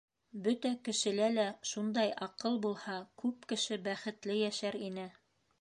Бөтә кешелә лә шундай аҡыл булһа, күп кеше бәхетле йәшәр ине.